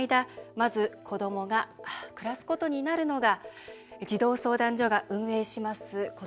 まず、子どもが暮らすことになるのが児童相談所が運営します